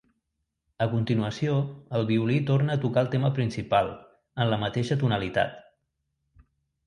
A continuació, el violí torna a tocar el tema principal, en la mateixa tonalitat.